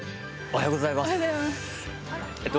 おはようございます。